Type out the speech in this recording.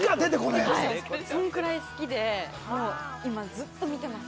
それぐらい好きで、今ずっと見てます。